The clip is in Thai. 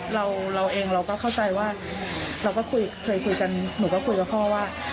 เราเองเราก็เข้าใจว่าเราก็คุยเคยคุยกันหนูก็คุยกับพ่อว่า